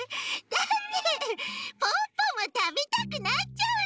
だってポッポもたべたくなっちゃうんだもん。